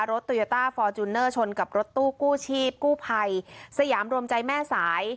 โตโยต้าฟอร์จูเนอร์ชนกับรถตู้กู้ชีพกู้ภัยสยามรวมใจแม่สาย